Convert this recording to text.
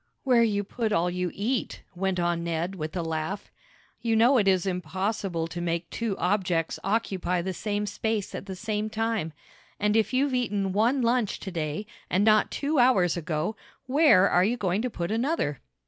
"Where you put all you eat," went on Ned with a laugh. "You know it is impossible to make two objects occupy the same space at the same time. And if you've eaten one lunch to day, and not two hours ago, where are you going to put another?"